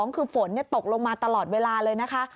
คือฝนตกลงมาตลอดเวลาเลยนะคะ